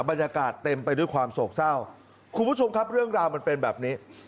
บรรยากาศเต็มไปด้วยความโศกเศร้าคุณผู้ชมครับเรื่องราวมันเป็นแบบนี้